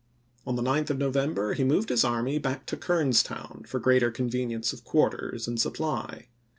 On the 1864, 9th of November he moved his army back to Kernstown for greater convenience of quarters and supply.